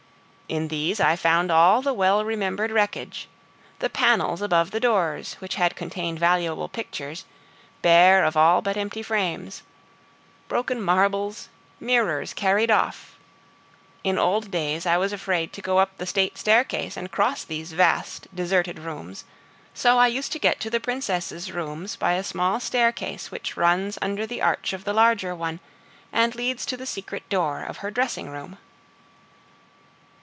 In these I found all the well remembered wreckage; the panels above the doors, which had contained valuable pictures, bare of all but empty frames; broken marbles, mirrors carried off. In old days I was afraid to go up the state staircase and cross these vast, deserted rooms; so I used to get to the Princess' rooms by a small staircase which runs under the arch of the larger one and leads to the secret door of her dressing room.